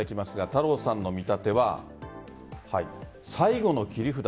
太郎さんの見立ては最後の切り札